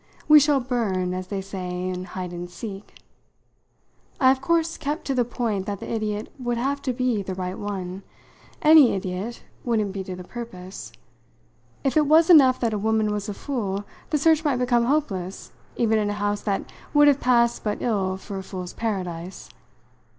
We shall 'burn,' as they say in hide and seek." I of course kept to the point that the idiot would have to be the right one. Any idiot wouldn't be to the purpose. If it was enough that a woman was a fool the search might become hopeless even in a house that would have passed but ill for a fool's paradise.